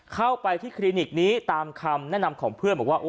เข้าไปที่คลินิกนี้ตามคำแนะนำของเพื่อนบอกว่า